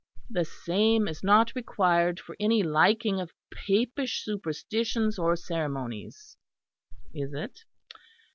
'The same is not required for any liking of Papish Superstitions or Ceremonies (is it?)